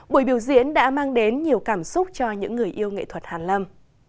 buổi biểu diễn đã mang đến nhiều cảm xúc cho những người yêu nghệ thuật hàn lâm